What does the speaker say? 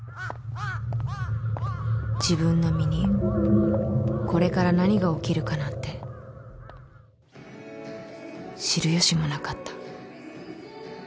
自分の身にこれから何が起きるかなんて知る由もなかった